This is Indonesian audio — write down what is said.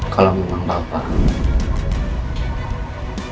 kalau memang bapak